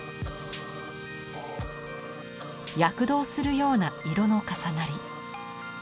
躍動するような色の重なり。